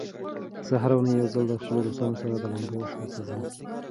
زه هره اونۍ یو ځل له خپلو دوستانو سره د لامبو حوض ته ځم.